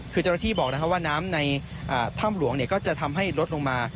คือเจ้าหน้าที่บอกว่าน้ำในถ้ำหลวงก็จะทำให้ลดลงมา